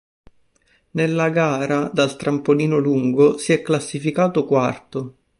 Nella gara dal trampolino lungo si è classificato quarto.